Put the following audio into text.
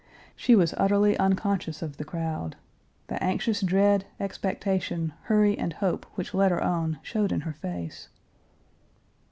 She was utterly unconscious of the crowd. The anxious dread, expectation, hurry, and hope which led her on showed in her face.